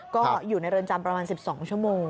ก็อยู่ในเรือนจำประมาณ๑๒ชั่วโมง